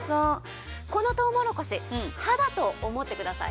このトウモロコシ歯だと思ってくださいね。